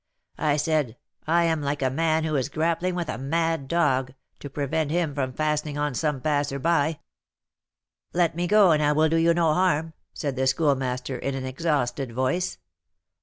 I said, 'I am like a man who is grappling with a mad dog, to prevent him from fastening on some passer by.' 'Let me go, and I will do you no harm,' said the Schoolmaster, in an exhausted voice.